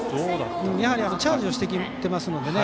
チャージをしてきていますので。